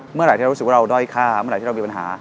เมื่อไหร่ที่เรารู้สึกว่าเราด้อยค่าเมื่อไหที่เรามีปัญหา